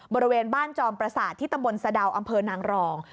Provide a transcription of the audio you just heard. บริเวณบ้านจอมประสาทที่ตำบลสะดาวอำเภอนางรอง